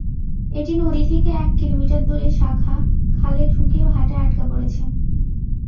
এটি নদী থেকে এক কিলোমিটার দূরে শাখা খালে ঢুকে ভাটায় আটকা পড়েছে।